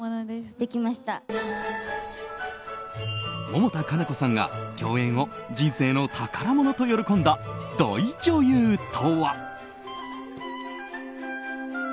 百田夏菜子さんが共演を人生の宝物と喜んだ大女優とは。